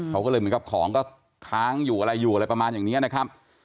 เขาก็เลยเหมือนกับของก็ค้างอยู่อะไรอยู่อะไรประมาณอย่างนี้นะครับ